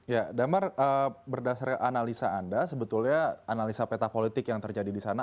ya damar berdasarkan analisa anda sebetulnya analisa peta politik yang terjadi di sana